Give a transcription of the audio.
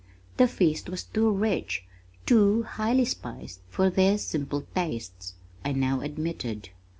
"The feast was too rich, too highly spiced for their simple tastes," I now admitted.